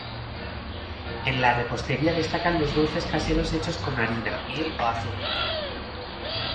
En la repostería destacan los dulces caseros hechos con harina, miel o azúcar.